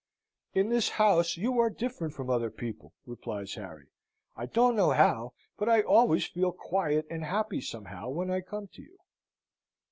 "In this house you are different from other people," replies Harry. "I don't know how, but I always feel quiet and happy somehow when I come to you."